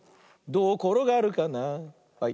どうころがるかなはい。